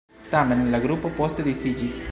Tamen la grupo poste disiĝis.